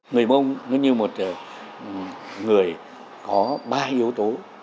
người mông như một người có ba yếu tố